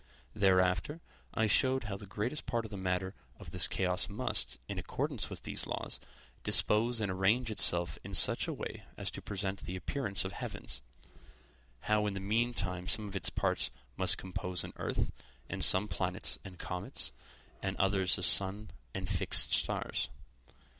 Thereafter, I showed how the greatest part of the matter of this chaos must, in accordance with these laws, dispose and arrange itself in such a way as to present the appearance of heavens; how in the meantime some of its parts must compose an earth and some planets and comets, and others a sun and fixed stars.